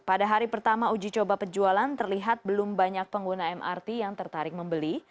pada hari pertama uji coba penjualan terlihat belum banyak pengguna mrt yang tertarik membeli